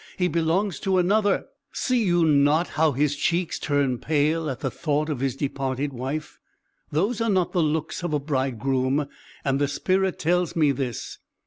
He belongs to another; see you not how his cheek turns pale at the thought of his departed wife? Those are not the looks of a bridegroom, and the spirit tells me this.